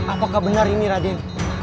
apakah benar ini raden